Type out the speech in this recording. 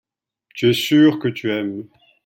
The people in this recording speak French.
tu es sûr que tu aimes.